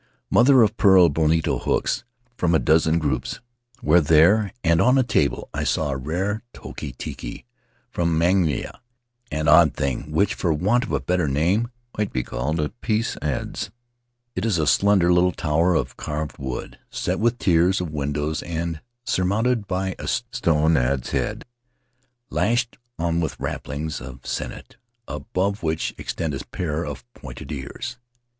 Mother of pearl bonito hooks from a dozen groups were there, and on a table I saw a rare Toki Tiki from Mangaia, an odd thing which, for want of a better name, might be called a Peace Adze. It is a slender little tower of carved wood, set with tiers of windows and surmounted by a stone adze head, lashed on with wrappings of sennit, above which extend a pair of pointed ears.